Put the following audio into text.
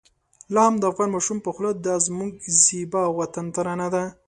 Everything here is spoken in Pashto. لا هم د افغان ماشوم په خوله د دا زموږ زېبا وطن ترانه ده.